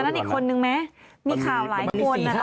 ตั้มโอนเงิน๗ล้านบาท